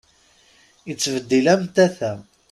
Ittbeddil am tata.